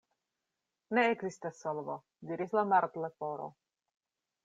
"Ne ekzistas solvo," diris la Martleporo.